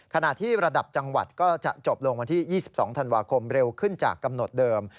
ขณะที่ระดับจังหวัดก็จะจบลงวันที่๒๒ธันวาคมเร็วขึ้นจากกำหนดเดิม